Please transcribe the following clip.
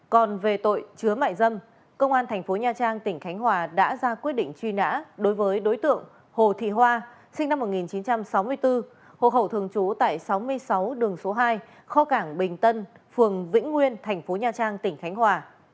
còn về tội chứa mại dâm công an thành phố nha trang tỉnh khánh hòa đã ra quyết định truy nã đối với đối tượng hồ thị hoa sinh năm một nghìn chín trăm sáu mươi bốn hộ khẩu thường trú tại sáu mươi sáu đường số hai kho cảng bình tân phường vĩnh nguyên thành phố nha trang tỉnh khánh hòa